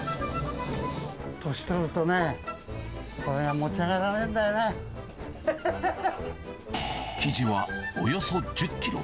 年取るとね、これが持ち上が生地はおよそ１０キロ。